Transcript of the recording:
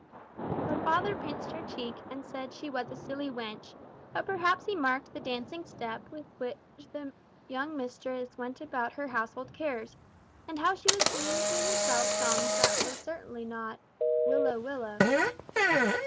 Her father pinched her cheek and said she was a silly wench; but perhaps he marked the dancing step with which the young mistress went about her household cares, and how she was singing to herself songs that certainly were not "Willow! willow!"